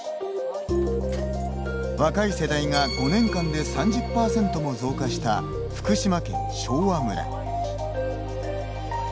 若い世代が、５年間で３０％も増加した福島県昭和村。